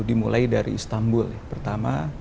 dimulai dari istanbul pertama